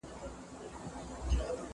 دا د صنعتي تولیداتو پایله وه.